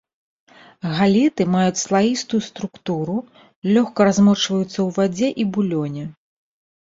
Галеты маюць слаістую структуру, лёгка размочваюцца ў вадзе і булёне.